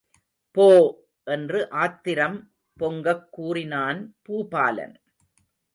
போ! என்று ஆத்திரம் பொங்கக் கூறினான் பூபாலன்.